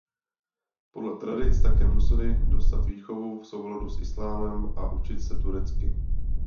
Podle tradic také musely dostat výchovu v souladu s islámem a učit se turecky.